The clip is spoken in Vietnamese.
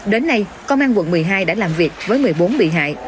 đến nay công an quận một mươi hai đã làm việc với một mươi bốn bị hại